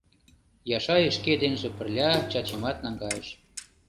Яшай шке денже пырля Чачимат наҥгайыш.